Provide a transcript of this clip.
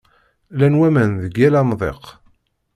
Llan waman deg yal amḍiq.